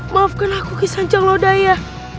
maafkan aku kisanjang lodanya